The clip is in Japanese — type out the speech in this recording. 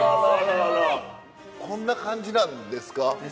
すごい！こんな感じなんですか？